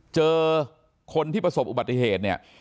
เจอคนที่ประสบอุบัติเหตุเนี่ย